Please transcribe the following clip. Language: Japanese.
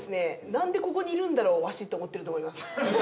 「なんでここにいるんだろう？わし」と思ってると思います。